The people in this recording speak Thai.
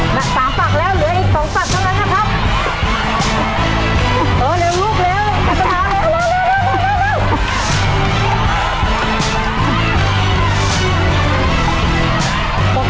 น่ะสามฝากแล้วอีกสองฝัทมาแล้วนะครับ